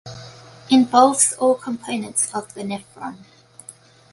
Involves all components of the nephron.